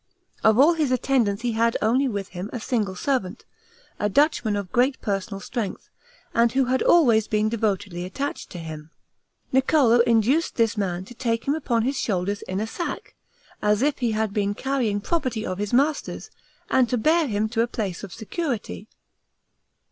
Of all his attendants he had only with him a single servant, a Dutchman, of great personal strength, and who had always been devotedly attached to him. Niccolo induced this man to take him upon his shoulders in a sack, as if he had been carrying property of his master's, and to bear him to a place of security.